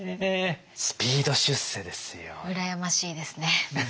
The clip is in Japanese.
スピード出世ですよ。